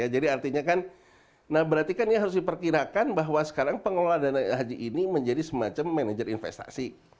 jadi artinya kan berarti kan ini harus diperkirakan bahwa sekarang pengelola dana haji ini menjadi semacam manajer investasi